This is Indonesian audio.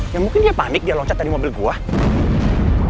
ya mungkin dia panik dia loncat dari mobil gue